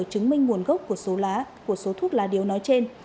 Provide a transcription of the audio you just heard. chứng minh nguồn gốc của số thuốc lá điếu nói trên